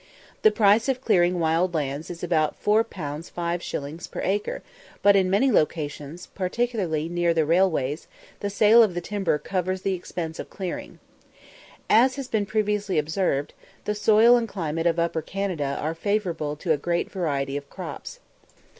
The price of clearing wild lands is about 4_l._ 5_s._ per acre, but in many locations, particularly near the railways, the sale of the timber covers the expenses of clearing. As has been previously observed, the soil and climate of Upper Canada are favourable to a great variety of crops.